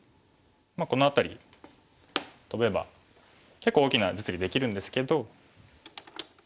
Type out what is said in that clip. この辺りトベば結構大きな実利できるんですけど。